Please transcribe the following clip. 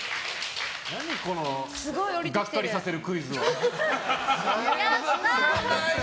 何このがっかりさせるクイズは。